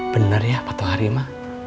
bener ya pak tuharima